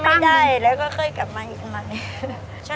ไม่ได้แล้วก็ค่อยกลับมาอีกใหม่